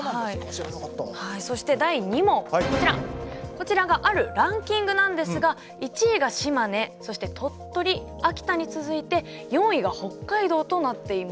こちらがあるランキングなんですが１位が島根そして鳥取秋田に続いて４位が北海道となっています。